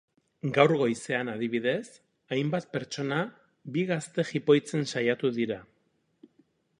Gaur goizean, adibidez, hainbat pertsona bi gazte jipoitzen saiatu dira.